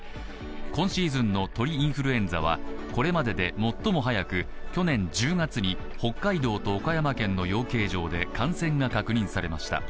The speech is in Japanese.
今シーズンの鳥インフルエンザはこれまでで最も早く去年１０月に北海道と岡山県の養鶏場で感染が確認されました